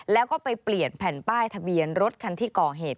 แล้วก็ไปเปลี่ยนแผ่นป้ายทะเบียนรถคันที่ก่อเหตุ